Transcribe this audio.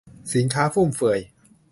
สินค้าฟุ่มเฟือย